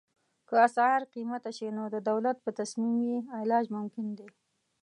که اسعار قیمته شي نو د دولت په تصمیم یې علاج ممکن دی.